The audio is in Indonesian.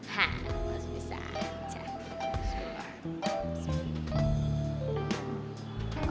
hah mas bisa aja